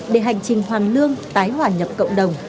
để hành trình hoàn lương tái hòa nhập cộng đồng